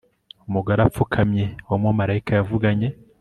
Umugore apfukamye uwo mumarayika yavuganye